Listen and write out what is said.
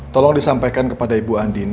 tolong disampaikan kepada ibu andin